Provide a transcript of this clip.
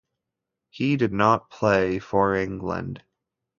He did not play for England.